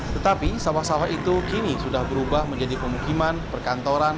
tetapi sawah sawah itu kini sudah berubah menjadi pemukiman perkantoran